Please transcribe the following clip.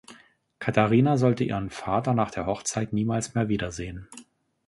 Katharina sollte ihren Vater nach der Hochzeit niemals mehr wiedersehen.